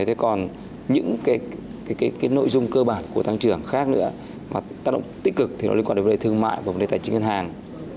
thế còn những cái nội dung cơ bản của tăng trưởng khác nữa mà tác động tích cực thì nó liên quan đến vấn đề thương mại và vấn đề tài chính ngân hàng